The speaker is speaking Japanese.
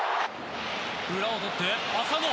裏を取って、浅野。